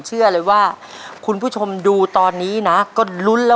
เยอะค่ะ